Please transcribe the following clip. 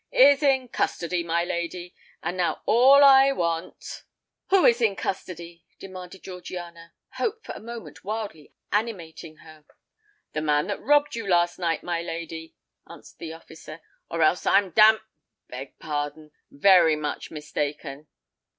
"Is in custody, my lady; and all I now want——" "Who is in custody?" demanded Georgiana, hope for a moment wildly animating her. "The man that robbed you last night, my lady," answered the officer; "or else I'm dam——beg pardon—very much mistaken."